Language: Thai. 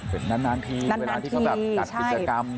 เป็นนานทีเวลาที่เขาตัดอิจกรรม